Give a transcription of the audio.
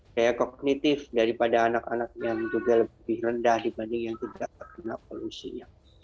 daya kognitif daripada anak anak yang juga lebih rendah dibanding yang tidak terkena polusinya